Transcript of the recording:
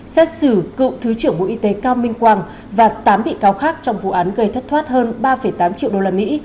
xét xử cựu thứ trưởng bộ y tế cao minh quang và tám bị cáo khác trong vụ án gây thất thoát hơn ba tám triệu đô la mỹ